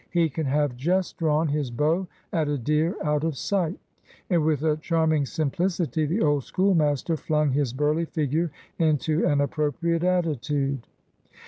"He can have just drawn his bow at a deer out of sight." And with a charming simplicity the old schoolmaster flung his burly figure into an appropriate attitude.